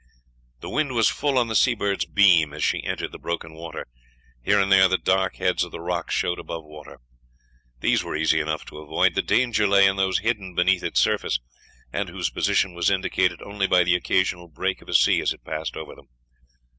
The wind was full on the Seabird's beam as she entered the broken water. Here and there the dark heads of the rocks showed above the water. These were easy enough to avoid, the danger lay in those hidden beneath its surface, and whose position was indicated only by the occasional break of a sea as it passed over them.